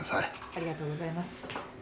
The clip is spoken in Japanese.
ありがとうございます。